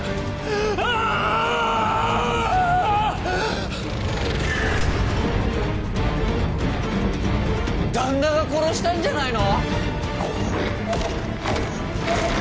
あぁ‼旦那が殺したんじゃないの？